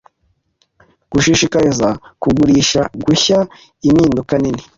gushishikariza kugurisha gushya Impinduka nini